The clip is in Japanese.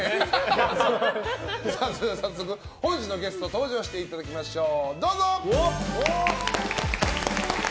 早速、本日のゲスト登場していただきましょう。